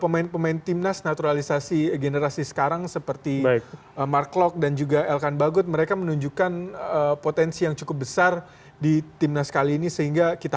tetapi untuk pemain pemain timnas naturalisasi generasi sekarang seperti marometer dan juga el can balut mereka menunjukkan potensi yang cukup besar bisa tetapi untuk pemain pemain timnas naturalisasi generasi sekarang seperti marimeter